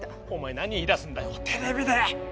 お前何言いだすんだよテレビで！